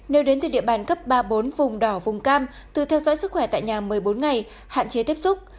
nếu đến từ địa bàn cấp ba bốn vùng đỏ vùng cam tự theo dõi sức khỏe tại nhà một mươi bốn ngày hạn chế tiếp xúc